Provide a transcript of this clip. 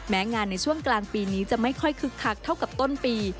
งานในช่วงกลางปีนี้จะไม่ค่อยคึกคักเท่ากับต้นปี